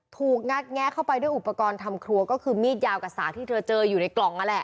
งัดแงะเข้าไปด้วยอุปกรณ์ทำครัวก็คือมีดยาวกับสากที่เธอเจออยู่ในกล่องนั่นแหละ